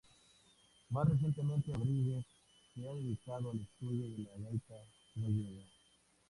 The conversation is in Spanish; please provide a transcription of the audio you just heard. Más recientemente, Rodríguez se ha dedicado al estudio de la gaita gallega.